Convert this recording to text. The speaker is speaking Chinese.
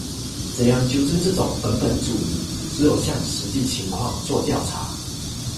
怎样纠正这种本本主义？只有向实际情况作调查。